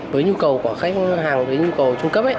với nhu cầu của khách hàng với nhu cầu trung cấp